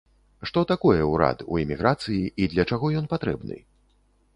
Што такое ўрад у эміграцыі і для чаго ён патрэбны?